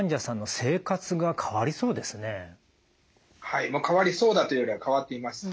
はい変わりそうだというよりは変わっています。